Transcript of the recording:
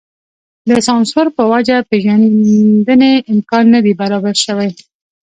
د سانسور په وجه پېژندنې امکان نه دی برابر شوی.